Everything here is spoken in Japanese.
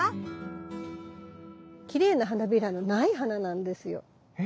きれいな花びらの無い花なんですよ。え？